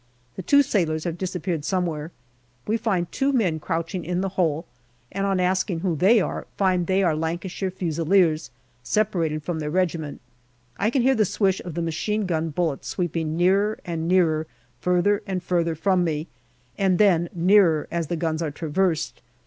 The two sailors have disappeared somewhere. We find two men crouching in the hole, and on asking who they are, find that they are Lancashire Fusiliers, separated from their regiment. I can hear the swish of the machine gun bullets sweeping nearer and nearer, farther and farther 'from me, and then nearer as the guns are traversed.